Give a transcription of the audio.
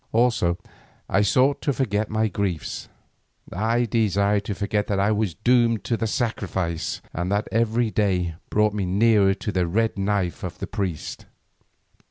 Also I sought to forget my griefs, I desired to forget that I was doomed to the sacrifice, and that every day brought me nearer to the red knife of the priest.